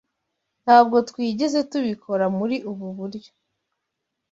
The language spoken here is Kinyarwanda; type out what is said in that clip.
Ntabwo twigeze tubikora muri ubu buryo.